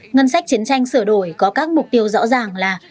ngân sách chiến tranh sửa đổi có các mục tiêu rõ ràng là